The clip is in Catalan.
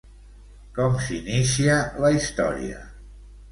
Com s'inicia la història?